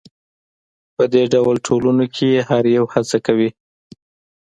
په دې ډول ټولنو کې هر یو هڅه کوي.